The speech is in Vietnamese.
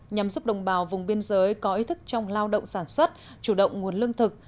nhằm giúp đồng bào vùng biên giới có ý thức trong lao động sản xuất chủ động nguồn lương thực